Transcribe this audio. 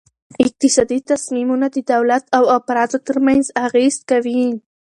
اقتصادي تصمیمونه د دولت او افرادو ترمنځ اغیز کوي.